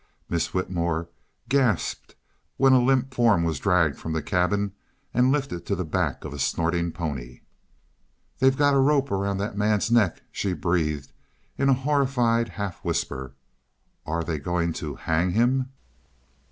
Miss Whitmore gasped when a limp form was dragged from the cabin and lifted to the back of a snorting pony. "They've got a rope around that man's neck," she breathed, in a horrified half whisper. "Are they going to HANG him?"